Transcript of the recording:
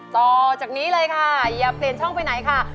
ต่อจากนี้เลยค่ะอย่าเปลี่ยนช่องไปไหนค่ะ